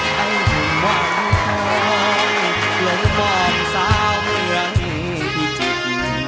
ในห่วงหวังทองหลงมองสาวงามพี่จิต